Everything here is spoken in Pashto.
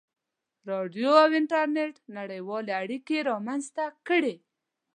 • راډیو او انټرنېټ نړیوالې اړیکې رامنځته کړې.